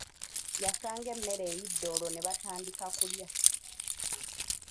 Yasanga emmere eyidde olwo nebatandika kulya.